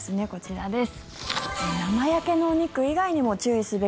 こちらです。